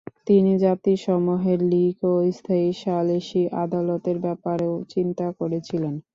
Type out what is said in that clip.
তিনি জাতিসমূহের লিগ ও স্থায়ী সালিশি আদালতের ব্যাপারেও চিন্তা করেছিলেন।